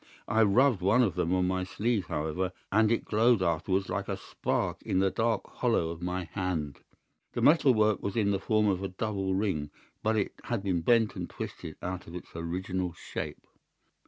I rubbed one of them on my sleeve, however, and it glowed afterwards like a spark in the dark hollow of my hand. The metal work was in the form of a double ring, but it had been bent and twisted out of its original shape.